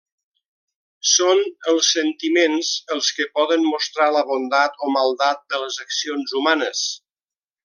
Són els sentiments els que poden mostrar la bondat o maldat de les accions humanes.